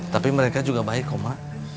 tapi mereka juga baik kok pak